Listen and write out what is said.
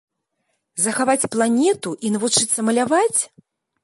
Захаваць планету і навучыцца маляваць?